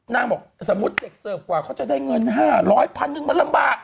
นางบอกสมมุติเสิร์ฟกว่าเขาจะได้เงินห้าร้อยพันหนึ่งมันนำลำบาก